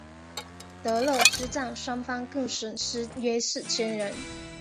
德勒之战双方各损失约四千人。